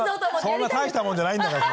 そんな大したもんじゃないんだから。